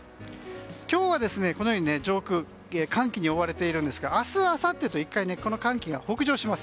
今日は上空寒気に覆われているんですが明日、あさってと１回寒気が北上します。